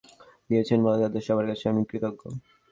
সবাই আমার ডাকে এভাবে সাড়া দিয়েছেন বলে তাঁদের সবার কাছে আমি কৃতজ্ঞ।